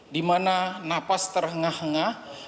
dimana napas terhengah hengah